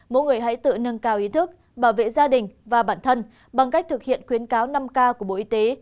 mỗi người hãy tự nâng cao ý thức bảo vệ gia đình và bản thân bằng cách thực hiện khuyến cáo năm k của bộ y tế